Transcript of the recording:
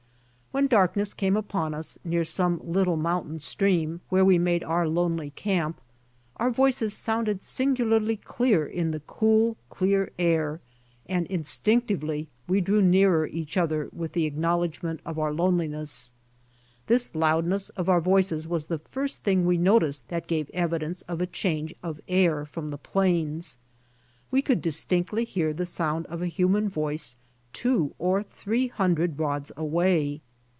When darkness came upon us, near some little mountain stream, where we made our lonely camp, our voices sounded singularly clear in the cool, clear air, and instinctively we drew nearer each other withtheknowl edge of our loneliness. This loudness of our voices was the first thing we noticed that gave evidence of a change of air from the plains. We could distinctly hear the sound of a human voice two or three hundred rods away.